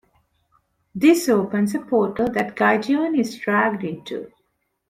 This opens a portal that Gideon is dragged into.